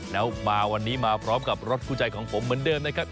แล้วมาวันนี้มาพร้อมกับรถคู่ใจของผมเหมือนเดิมนะครับ